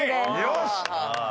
よし！